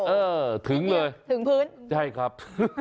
เออถึงเลยถึงพื้นใช่ครับ